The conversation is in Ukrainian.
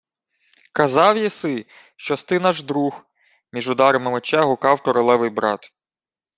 — Казав єси, що-с ти наш друг! — між ударами меча гукав королевий брат.